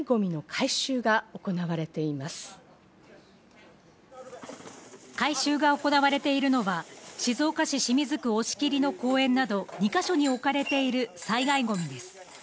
回収が行われているのは、静岡市清水区押切の公園など２か所に置かれている災害ごみです。